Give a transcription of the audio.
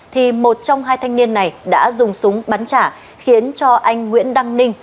thì một trong hai thanh niên này đã dùng súng bắn trả khiến cho anh nguyễn đăng ninh